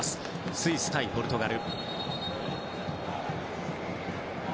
スイス対ポルトガル。